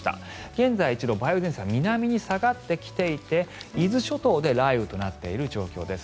現在、一度梅雨前線は南に下がってきていて伊豆諸島で雷雨となっている状況です。